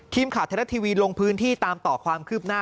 ทีมข่าวไทยรัฐทีวีลงพื้นที่ตามต่อความคืบหน้า